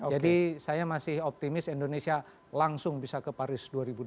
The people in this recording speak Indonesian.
jadi saya masih optimis indonesia langsung bisa ke paris dua ribu dua puluh satu